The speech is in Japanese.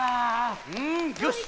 うんよし！